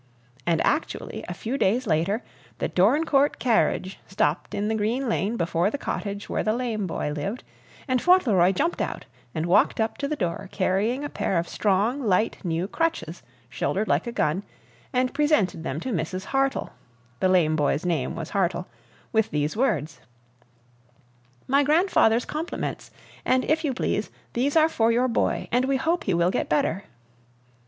And actually, a few days later, the Dorincourt carriage stopped in the green lane before the cottage where the lame boy lived, and Fauntleroy jumped out and walked up to the door, carrying a pair of strong, light, new crutches shouldered like a gun, and presented them to Mrs. Hartle (the lame boy's name was Hartle) with these words: "My grandfather's compliments, and if you please, these are for your boy, and we hope he will get better."